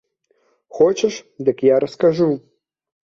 Хочаш, дык я раскажу.